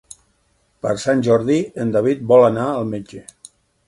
Per Sant Jordi en David vol anar al metge.